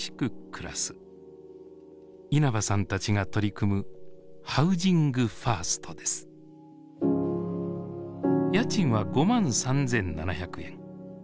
稲葉さんたちが取り組む家賃は５万３，７００円。